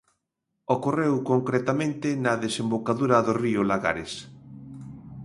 Ocorreu concretamente na desembocadura do río Lagares.